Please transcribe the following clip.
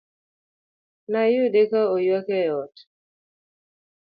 Nayude ka oywak e ot